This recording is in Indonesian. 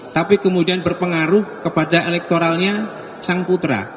tapi kemudian berpengaruh kepada elektoralnya sang putra